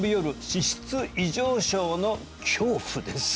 「脂質異常症」の恐怖です